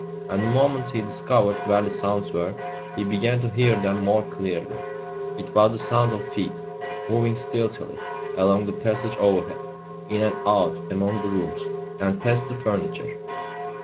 And the moment he discovered where the sounds were, he began to hear them more clearly. It was the sound of feet, moving stealthily along the passage overhead, in and out among the rooms, and past the furniture.